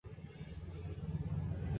Su presidente fue Arthur Stuart Turner.